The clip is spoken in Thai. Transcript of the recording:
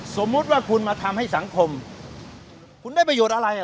สมมุติว่าคุณมาทำให้สังคมคุณได้ประโยชน์อะไร